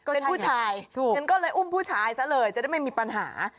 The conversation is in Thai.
เป็นผู้ชายฉันก็เลยอุ้มผู้ชายซะเลยจะได้ไม่มีปัญหา